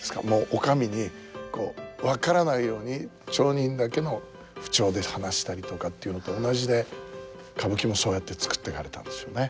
お上にこう分からないように町人だけの口調で話したりとかっていうのと同じで歌舞伎もそうやって作っていかれたんですよね。